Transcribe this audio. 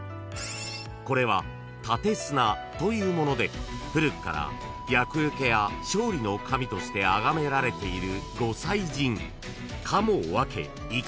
［これは立砂というもので古くから厄よけや勝利の神としてあがめられている］